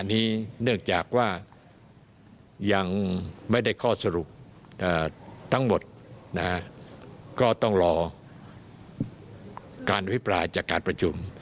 ถ้าต้องหมดก็ต้องรอการวิผราจากการประจุม